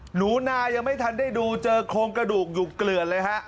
หนูนายังไม่ทันได้ดูเจอโครงกระดูกอยู่เกลือนเลยฮะ